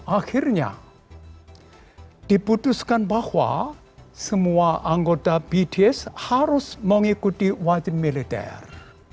akhirnya diputuskan bahwa semua anggota bds harus mengikuti wajib militer